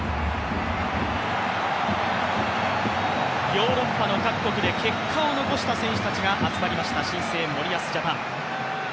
ヨーロッパの各国で結果を残した選手たちが集まりました、新生・森保ジャパン。